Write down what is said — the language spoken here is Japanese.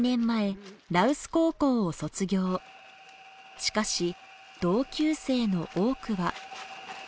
しかし同級生の多くは。